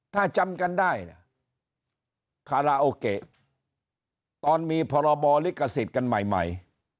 ถ้าจำกันได้คาราโอเกะตอนมีพรบริกษิติกันใหม่